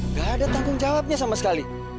nggak ada tanggung jawabnya sama sekali